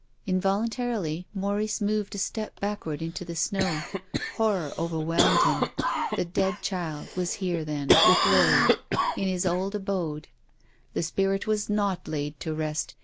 Involuntarily Maurice moved a step backward into the snow. Horror overwhelmed him. The dead child was here then with Lily, in his old THE LIVING CHILD. 263 abode. The spirit was not laid to rest.